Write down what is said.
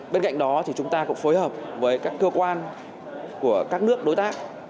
bên cạnh đó thì chúng ta cũng phối hợp với các cơ quan của các nước đối tác